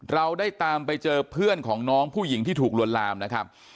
เราได้ตามไปเจอเพื่อนของน้องผู้หญิงที่ถูกลวนลามนะครับ